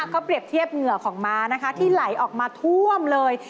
ก็เปรียบเทียบเหงื่อของม้านะคะที่ไหลออกมาท่วมเลย